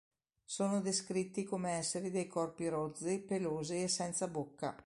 Sono descritti come esseri dai corpi rozzi, pelosi e senza bocca.